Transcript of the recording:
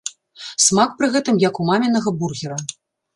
Смак пры гэтым як у мамінага бургера.